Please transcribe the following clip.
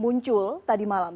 muncul tadi malam